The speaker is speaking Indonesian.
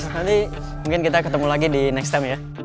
nanti mungkin kita ketemu lagi di next time ya